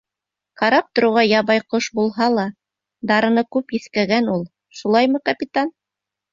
Ҡарап тороуға ябай ҡош булһа ла, дарыны күп еҫкәгән ул. Шулаймы, Капитан?